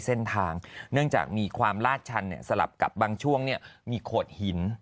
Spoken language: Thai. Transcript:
เส้นทางเนื่องจากมีความลาดชันสลับกับบางช่วงมีโขดหิน